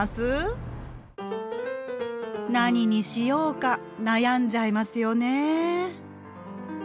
何にしようか悩んじゃいますよね。